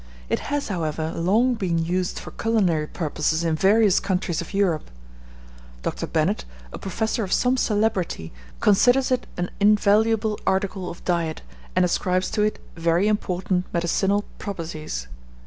It has, however, long been used for culinary purposes in various countries of Europe. Dr. Bennett, a professor of some celebrity, considers it an invaluable article of diet, and ascribes to it very important medicinal properties.